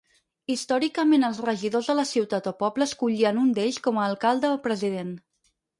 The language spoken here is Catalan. Històricament, els regidors de la ciutat o poble escollien un d'ells com a alcalde o president.